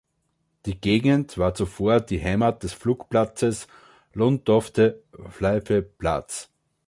Die Gegend war zuvor die Heimat des Flugplatzes Lundtofte Flyveplads.